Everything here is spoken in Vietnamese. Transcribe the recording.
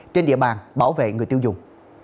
trên địa bàn bảo vệ người tiêu dùng